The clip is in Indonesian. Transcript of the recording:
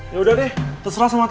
yaudah deh terserah sama tante